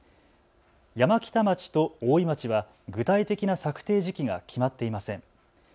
山北町と大井町は具体的な策定時期が決まっていません。